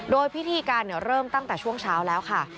โดยพิธีการเริ่มตั้งแต่ช่วงเช้าแล้วค่ะ